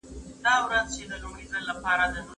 ایا ته له آنلاین درسونو راضي یې؟